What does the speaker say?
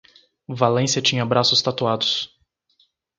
Valência tinha braços tatuados.